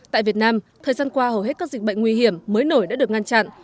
tại việt nam thời gian qua hầu hết các dịch bệnh nguy hiểm mới nổi đã được ngăn chặn